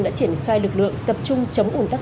đã triển khai lực lượng tập trung chống ủn tắc